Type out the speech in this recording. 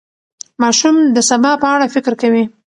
ماشوم د سبا په اړه فکر کوي.